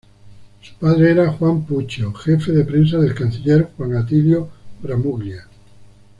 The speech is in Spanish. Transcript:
Su padre era Juan Puccio, jefe de prensa del canciller Juan Atilio Bramuglia.